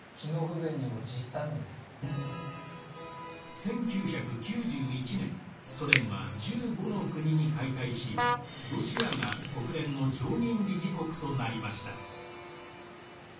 １９９１年ソ連は１５の国に解体しロシアが国連の常任理事国となりました。